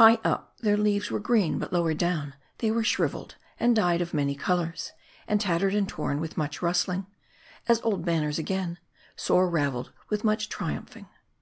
High up, their leaves Were green ; but lower down, they were shriveled ; and dyed of many colors ; and tattered and torn with much rustling ; as old banners again ; sore raveled with much triumphing.